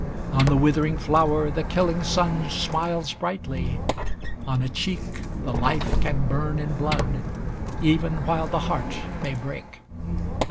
On the withering flower The killing sun smiles brightly; on a cheek The life can burn in blood, even while the heart may break.